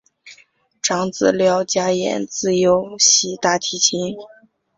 长子廖嘉言自幼习大提琴。